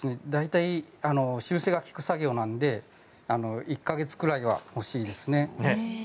修正が利く作業なので１か月ぐらいは欲しいですね。